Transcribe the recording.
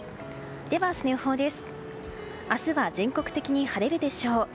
では、明日の予報です。